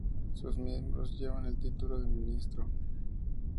Sus miembros llevan el título de Ministro.